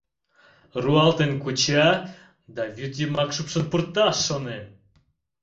Руалтен куча да вӱд йымак шупшын пурта, шонем.